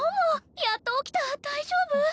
やっと起きた大丈夫？